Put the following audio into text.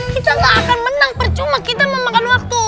kita gak akan menang percuma kita mau makan waktu